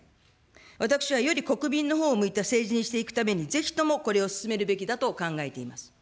私はより国民のほうを向いた政治にしていくために、ぜひとも、これを進めるべきだと考えています。